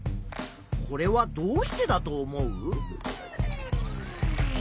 これはどうしてだと思う？